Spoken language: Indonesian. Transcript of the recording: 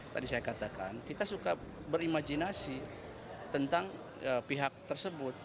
tadi saya katakan kita suka berimajinasi tentang pihak tersebut